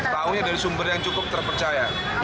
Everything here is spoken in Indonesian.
tahunya dari sumber yang cukup terpercaya